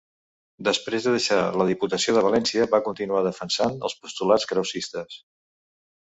Després de deixar la Diputació de València va continuar defensant els postulats krausistes.